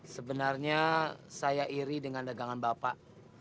sebenarnya saya iri dengan dagangan bapak